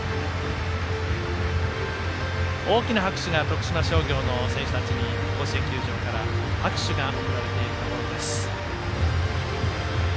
大きな拍手が徳島商業の選手たちに甲子園球場から拍手が送られているところです。